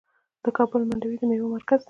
د کابل منډوي د میوو مرکز دی.